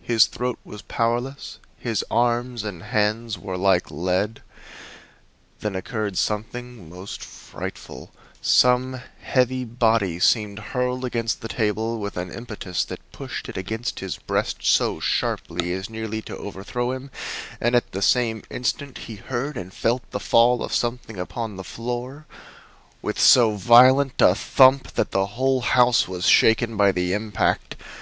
His throat was powerless, his arms and hands were like lead. Then occurred something most frightful. Some heavy body seemed hurled against the table with an impetus that pushed it against his breast so sharply as nearly to overthrow him, and at the same instant he heard and felt the fall of something upon the floor with so violent a thump that the whole house was shaken by the impact.